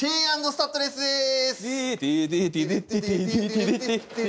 スタッドレスです。